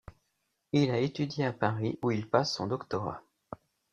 Il a étudié à Paris où il passe son doctorat.